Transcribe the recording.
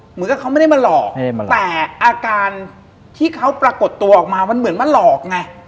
เหมือนกับเขาไม่ได้มาหลอกแต่อาการที่เขาปรากฏตัวออกมามันเหมือนมาหลอกไง